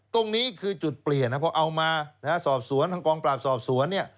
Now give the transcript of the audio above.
ตรงนี้คือจุดเปลี่ยนเพราะเอามาทางกองปราบสอบสวน